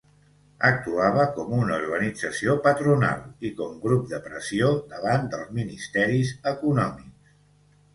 Actuava com una organització patronal, i com grup de pressió davant dels ministeris econòmics.